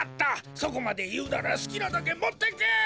そこまでいうならすきなだけもっていけ！